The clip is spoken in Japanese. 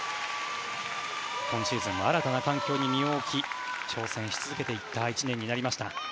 今シーズンは新たな環境に身を置き挑戦し続けていった１年になりました。